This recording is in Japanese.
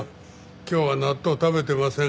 今日は納豆食べてませんから。